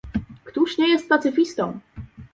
Któż nie jest pacyfistą?